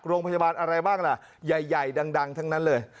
โรงพยาบาลอะไรบ้างล่ะใหญ่ดังทั้งนั้นเลย